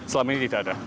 selama ini tidak ada